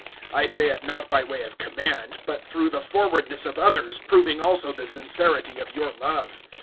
(8)I say it not by way of command, but through the forwardness of others proving also the sincerity of your love.